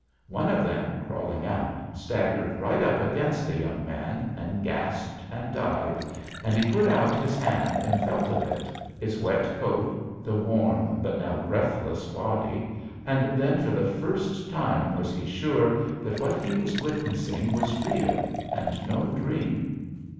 One of them, crawling out, staggered right up against the young man, and gasped, and died, and he put out his hand and felt of it, its wet coat, the warm but now breathless body, and then for the first time was he sure that what he was witnessing was real, and no dream.